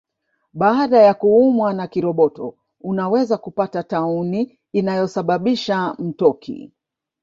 Baada ya kuumwa na kiroboto unaweza kupata tauni inayosababisha mtoki